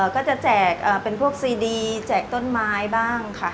ก็จะแจกเป็นพวกซีดีแจกต้นไม้บ้างค่ะ